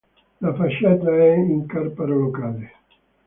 La facciata è in carparo locale.